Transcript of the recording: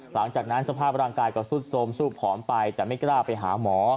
หลังจากนั้นสภาพร่างกายก็ซุดโทรมสู้ผอมไปแต่ไม่กล้าไปหาหมอ